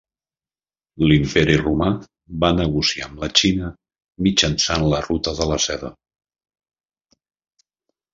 L'Imperi Romà va negociar amb la Xina mitjançant la Ruta de la Seda.